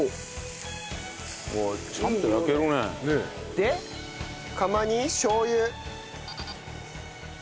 で釜にしょう油。